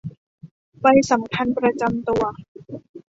ใบสำคัญประจำตัว